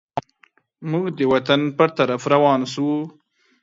موږ د وطن پر طرف روان سوو.